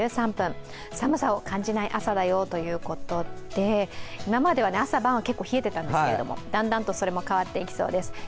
寒さを感じない朝だよということで、今までは朝晩は結構冷えていたんですけど、だんだんと変わっていきそうです。